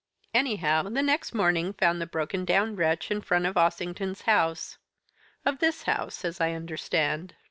Anyhow, the next morning found the broken down wretch in front of Ossington's house of this house, as I understand."